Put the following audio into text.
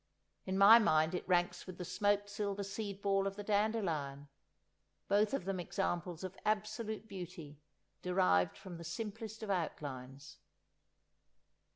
In my mind it ranks with the smoked silver seed ball of the dandelion, both of them examples of absolute beauty derived from the simplest of outlines.